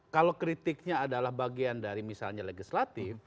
kalau kritiknya adalah bagian dari misalnya legislatif